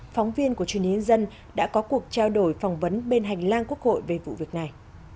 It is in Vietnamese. phóng viên của truyền hình nhân dân đã có cuộc trao đổi phỏng vấn bên hành lang quốc hội về vụ việc này